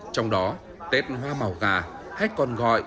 trong đó tết hoa màu gà hách con gọi